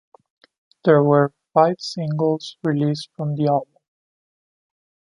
There were five singles released from the album.